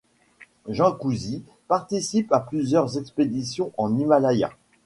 Jean Couzy participe à plusieurs expéditions en Himalaya.